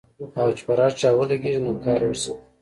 او چې پر هر چا ولګېږي نو کار يې ورسموي.